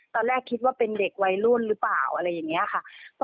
ตอนแรกคิดว่าเป็นเด็กวัยรุ่นหรือเปล่าอะไรอย่างนี้ค่ะ